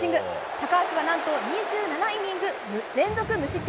高橋は何と２７イニング連続無失点。